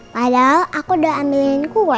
padahal aku udah ambilin kue